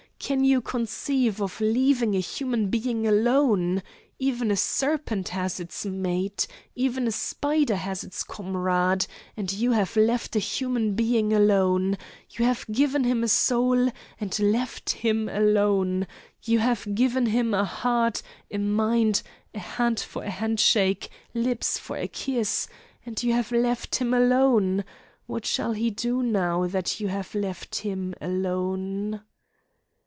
Can you conceive of leaving a human being alone? Even a serpent has its mate, even a spider has its comrade and you have left a human being alone! You have given him a soul and left him alone! You have given him a heart, a mind, a hand for a handshake, lips for a kiss and you have left him alone! What shall he do now that you have left him alone?"